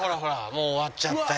もう終わっちゃったよ。